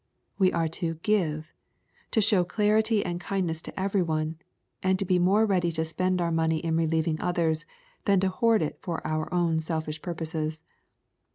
We are to give^ — to show charity and kindness to every one, and to be more ready to spend our money in relieving others, than to hoard it for our own selfish purposes.